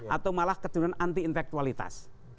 atau malah kecenderungan anti intelektualitas